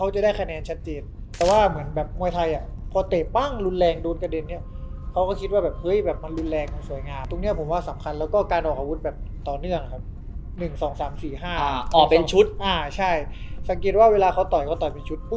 ใช่ถ้าเป็นคนดูมวยก็คือเฮแล้ว